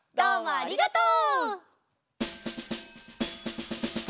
ありがとう！